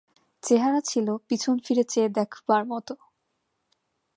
চেহারা ছিল পিছন ফিরে চেয়ে দেখবার মতো।